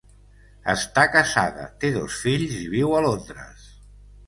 Està casada, té dos fills i viu a Londres.